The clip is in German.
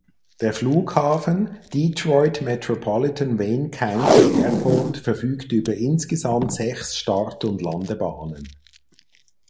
Der Flughafen Detroit Metropolitan Wayne County Airport verfügt über insgesamt sechs Start- und Landebahnen.